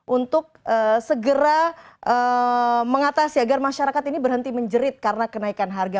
untuk segera mengatasi agar masyarakat ini berhenti menjerit karena kenaikan harga